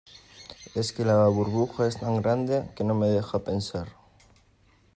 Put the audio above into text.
es que la burbuja es tan grande, que no me deja pensar.